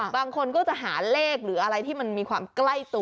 บางคนก็จะหาเลขหรืออะไรที่มันมีความใกล้ตัว